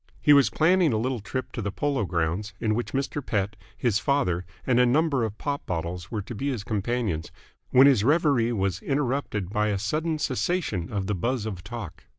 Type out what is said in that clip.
He was planning a little trip to the Polo Grounds, in which Mr. Pett, his father, and a number of pop bottles were to be his companions, when his reverie was interrupted by a sudden cessation of the buzz of talk.